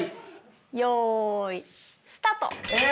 よいスタート！え！